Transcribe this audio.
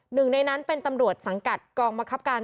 หนึ่งในนั้นเป็นตำรวจสังกัดกองมะครับการ